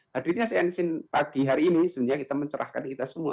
hadirnya scene scene pagi hari ini sebenarnya kita mencerahkan kita semua